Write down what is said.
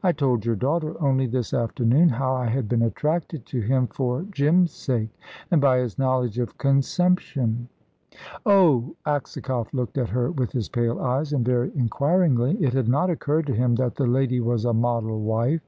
I told your daughter, only this afternoon, how I had been attracted to him for Jim's sake, and by his knowledge of consumption." "Oh!" Aksakoff looked at her with his pale eyes, and very inquiringly. It had not occurred to him that the lady was a model wife.